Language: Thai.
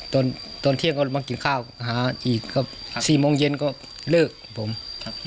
ตอนตอนเที่ยงก็มากินข้าวหาอีกครับสี่โมงเย็นก็เลิกผมครับ